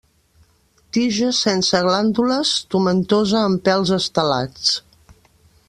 Tija sense glàndules, tomentosa amb pèls estelats.